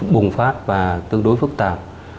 bùng phát và tương đối phức tạp